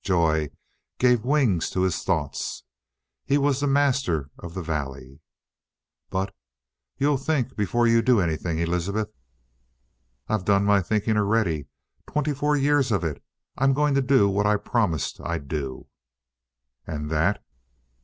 Joy gave wings to his thoughts. He was the master of the valley. "But you'll think before you do anything, Elizabeth?" "I've done my thinking already twenty four years of it. I'm going to do what I promised I'd do." "And that?"